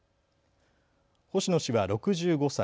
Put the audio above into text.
星野氏は６５歳。